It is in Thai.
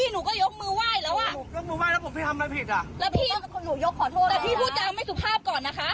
แล้วพี่พูดจะเอาไม่สุภาพก่อนนะคะ